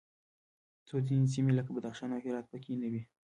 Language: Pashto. خو ځینې سیمې لکه بدخشان او هرات پکې نه وې